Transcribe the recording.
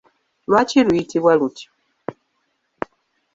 Lwaki luyitibwa lutyo?